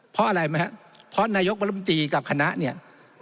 เพราะอะไรไหมครับเพราะนายกบรมตีกับคณะเนี่ย